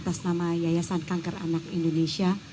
atas nama yayasan kanker anak indonesia